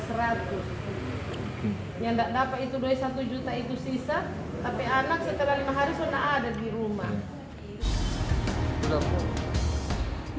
yang tidak dapat itu dari satu juta itu sisa tapi anak setelah lima hari sudah ada di rumah